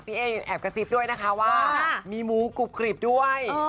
เอ๊แอบกระซิบด้วยนะคะว่ามีหมูกรุบกรีบด้วย